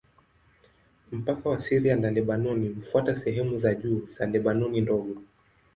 Mpaka wa Syria na Lebanoni hufuata sehemu za juu za Lebanoni Ndogo.